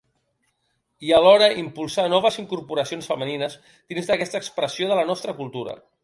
I alhora, impulsar noves incorporacions femenines dins d’aquesta expressió de la nostra cultura.